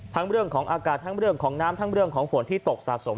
เรื่องของอากาศทั้งเรื่องของน้ำทั้งเรื่องของฝนที่ตกสะสม